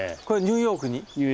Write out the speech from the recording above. ニューヨークに。